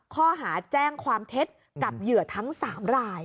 ข้อหาแจ้งความเท็จกับเหยื่อทั้ง๓ราย